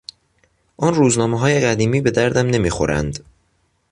آن روزنامههای قدیمی به دردم نمیخورند.